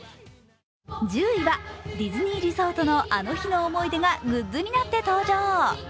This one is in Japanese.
１０位はディズニーリゾートのあの日の思い出がグッズになって登場。